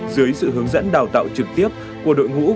dưới sự hướng dẫn đào tạo trực tiếp của đội ngũ